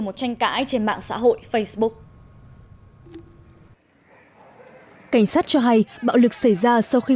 một tranh cãi trên mạng xã hội facebook cảnh sát cho hay bạo lực xảy ra sau khi